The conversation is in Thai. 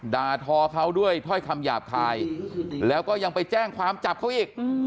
ด่าทอเขาด้วยถ้อยคำหยาบคายแล้วก็ยังไปแจ้งความจับเขาอีก